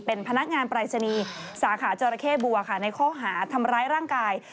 เป็นพนักงานปรายศนีย์สาขาจราเข้บัวค่ะในข้อหาทำร้ายร่างกาย